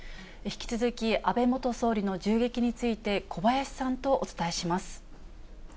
引き続き、安倍元総理の銃撃について、小林さんとお伝えします。